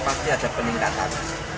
pasti ada peningkatan